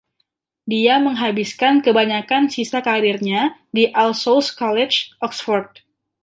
Dia menghabiskan kebanyakan sisa karirnya di All Souls College, Oxford.